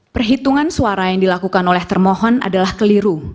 perhitungan suara yang dilakukan oleh termohon adalah keliru